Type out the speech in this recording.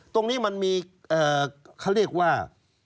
ตรงนี้มันมีเขาเรียกว่า